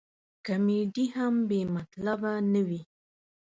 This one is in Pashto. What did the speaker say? کمیډي هم بې مطلبه نه وي.